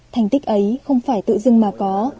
thành tích ấy không phải tự dưng mà có